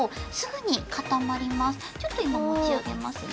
ちょっといまもちあげますね。